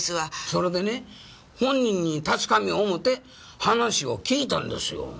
それでね本人に確かめよう思って話を聞いたんですよ。